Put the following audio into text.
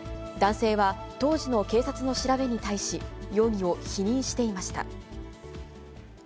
男性は、当時の警察の調べに対し、容疑を否認していました。